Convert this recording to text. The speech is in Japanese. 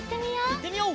いってみよう！